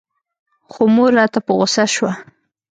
خو مور راته په غوسه سوه.